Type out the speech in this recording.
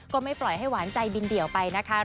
ก็ไม่ปล่อยให้หวานใจบินเดี่ยวไปนะคะ